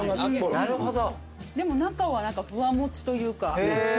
でも中はふわもちというか。